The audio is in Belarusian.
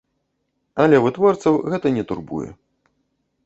Але вытворцаў гэта не турбуе.